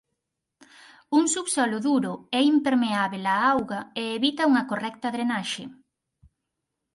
Un subsolo duro é impermeábel á auga e evita unha correcta drenaxe.